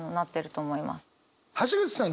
橋口さん